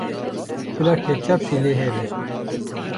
Bila ketçap jî lê hebe.